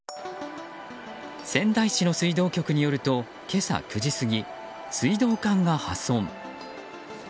仙台市の水道局によると今朝９時過ぎ水道管が破損。